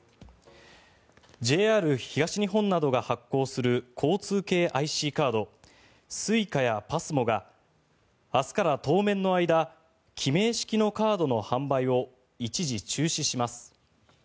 ＪＲ東日本などが発行する交通系ＩＣカードＳｕｉｃａやＰＡＳＭＯが明日から当面の間記名式のカードの販売を一時中止します。